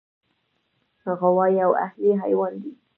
غوا یو اهلي حیوان دی.